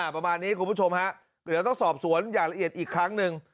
ประมาณนี้คุณผู้ชมฮะเดี๋ยวต้องสอบสวนอย่างละเอียดอีกครั้งหนึ่ง